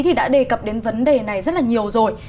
thì đã đề cập đến vấn đề này rất là nhiều rồi